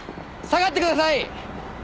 下がってください！！